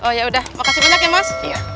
oh ya udah makasih banyak ya mas